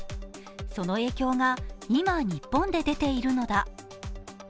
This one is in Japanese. その影響が今、日本で出ているのだ。